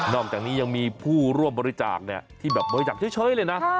อกจากนี้ยังมีผู้ร่วมบริจาคที่แบบบริจาคเฉยเลยนะ